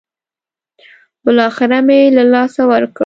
بالاخره مې له لاسه ورکړ.